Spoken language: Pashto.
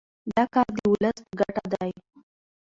دا کار د ولس په ګټه دی.